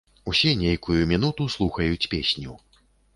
Усе нейкую мінуту слухаюць песню.